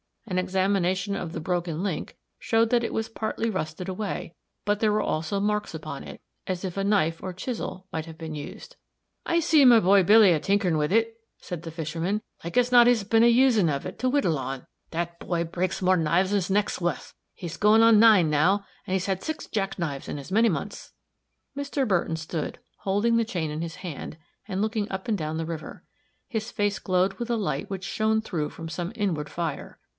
An examination of the broken link showed that it was partly rusted away; but there were also marks upon it, as if a knife or chisel might have been used. "I see my boy, Billy, a tinkerin' with it," said the fisherman. "Like as not he's been a usin' of it to whittle on. That boy breaks more knives'n his neck's wuth. He's goin' on nine, now, and he's had six jack knives in as many months." Mr. Burton stood, holding the chain in his hand, and looking up and down the river. His face glowed with a light which shone through from some inward fire.